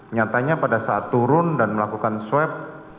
nyatanya pada saat turun dan melakukan swab